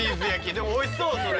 でもおいしそうそれ。